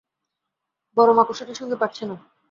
বড় মাকড়সাটার সঙ্গে পারছে না।